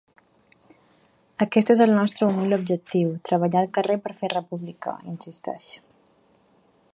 Aquest és el nostre humil objectiu, treballar al carrer per fer República, insisteix.